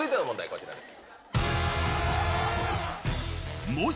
こちらです。